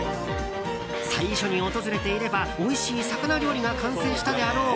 最初に訪れていればおいしい魚料理が完成したであろう。